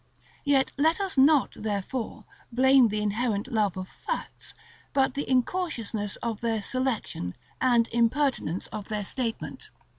Yet let us not, therefore, blame the inherent love of facts, but the incautiousness of their selection, and impertinence of their statement.